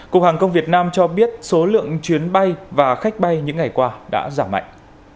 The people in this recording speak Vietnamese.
cục hàng không việt nam cho biết số lượng chuyến bay và khách bay những ngày qua đã giảm mạnh